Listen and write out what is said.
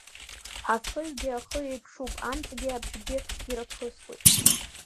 Афыҩгьы ахы еиԥшуп, амцагьы, абжьгьы ираԥысуеит…